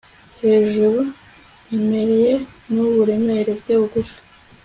Hejuruiremereye nuburemere bwe bugufi